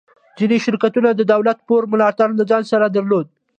ځینو شرکتونو د دولت پوره ملاتړ له ځان سره درلود